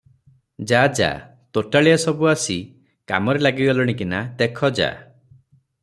ଯା ଯା, ତୋଟାଳିଆ ସବୁ ଆସି କାମରେ ଲାଗିଗଲେଣି କି ନା, ଦେଖ ଯା ।"